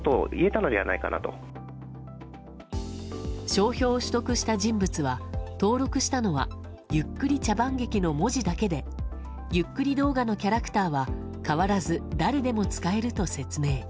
商標を取得した人物は登録したのはゆっくり茶番劇の文字だけでゆっくり動画のキャラクターは変わらず誰でも使えると説明。